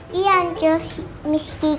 sebelum hari ini maskah